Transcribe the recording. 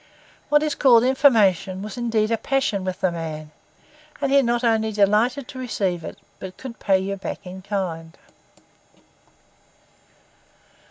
What is called information was indeed a passion with the man, and he not only delighted to receive it, but could pay you back in kind.